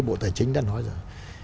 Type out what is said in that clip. bộ tài chính đã nói rồi